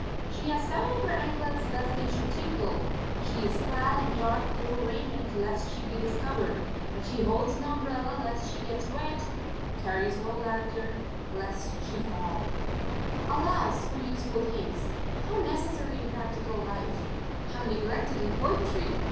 She has tied up her anklets lest they should tinkle; she is clad in dark blue raiment lest she be discovered; but she holds no umbrella lest she get wet, carries no lantern lest she fall! [Footnote 1: July August, the rainy season.] Alas for useful things how necessary in practical life, how neglected in poetry!